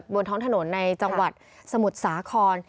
บนท้องถนนในจังหวัดสมุทรสาคร